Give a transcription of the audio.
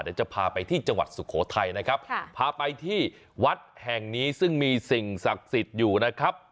เดี๋ยวจะพาไปที่จังหวัดสุโขทัยนะครับพาไปที่วัดแห่งนี้ซึ่งมีสิ่งศักดิ์สิทธิ์อยู่นะครับ